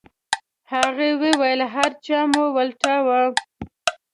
هغې وويل هر ځای مو ولټاوه.